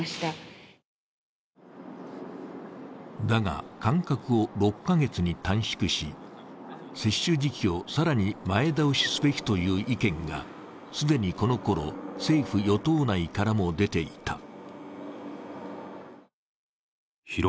だが、間隔を６カ月に短縮し、接種時期を更に前倒しすべきという意見が既にこの頃、政府・与党内からも出ていた。